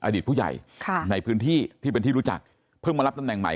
อดีตผู้ใหญ่ในพื้นที่ที่เป็นที่รู้จักเพิ่งมารับตำแหน่งใหม่